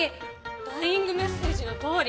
ダイイングメッセージの通り。